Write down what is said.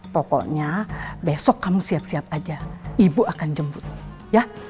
pokoknya besok kamu siap siap aja ibu akan jemput ya